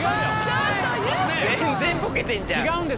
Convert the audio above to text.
全然ボケてんじゃん！